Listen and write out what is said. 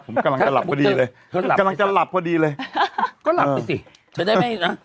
ผมกำลังจะหลับพอดีเลยกำลังจะหลับพอดีเลยก็หลับไปสิจะได้ไม่นะ